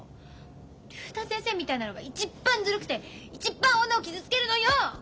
竜太先生みたいなのが一番ずるくて一番女を傷つけるのよ！